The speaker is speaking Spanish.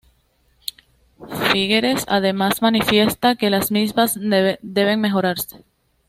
Figueres además manifiesta que las mismas deben mejorarse.